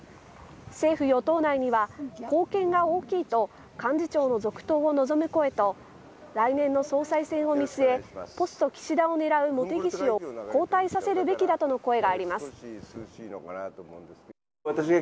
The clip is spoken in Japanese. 政府与党内には貢献が大きいと幹事長の続投を望む声と来年の総裁選を見据えポスト岸田を狙う茂木氏を交代させるべきだとの声があります。